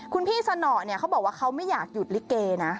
คุณพี่สนอเนี่ยเขาบอกว่าเขาไม่อยากหยุดลิเกนะ